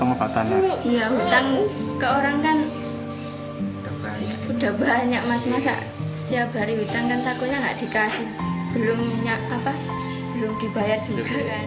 udah banyak mas masak setiap hari hutang kan takutnya gak dikasih belum dibayar juga kan